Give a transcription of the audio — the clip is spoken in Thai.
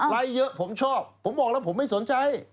เยอะผมชอบผมบอกแล้วผมไม่สนใจ